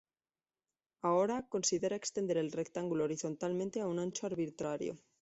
Ahora, considera extender el rectángulo horizontalmente a un ancho arbitrario.